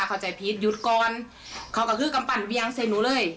เข้าใจพีชหยุดก่อนเขาก็คือกำปั่นเวียงใส่หนูเลย